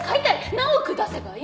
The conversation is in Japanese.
何億出せばいい？